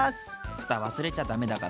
ふた忘れちゃ駄目だからね。